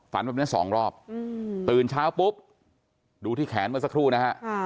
แบบนี้สองรอบตื่นเช้าปุ๊บดูที่แขนเมื่อสักครู่นะฮะ